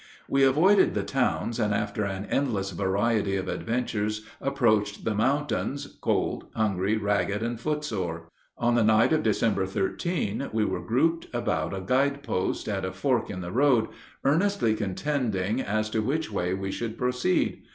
We avoided the towns, and after an endless variety of adventures approached the mountains, cold, hungry, ragged, and foot sore. On the night of December 13 we were grouped about a guide post, at a fork in the road, earnestly contending as to which way we should proceed.